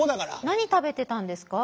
何食べてたんですか？